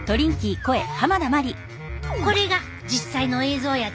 これが実際の映像やで。